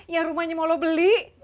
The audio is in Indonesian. ya rumahnya mau lo beli